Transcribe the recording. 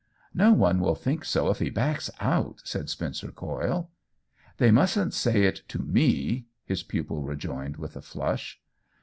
" No one will think so if he backs out 1" said Spencer Coyle. "They mustn't say it to meP^ his pupil rejoined, with a flush.